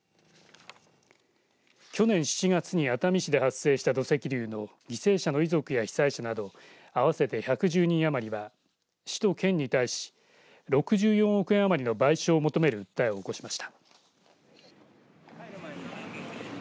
去年７月に熱海市で発生した土石流の犠牲者の遺族や被災者など合わせて１１０人余りは市と県に対し６４億円余りの賠償を求める訴えを起こしました。